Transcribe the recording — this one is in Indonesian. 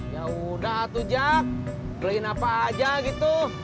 yaudah tuh jak beliin apa aja gitu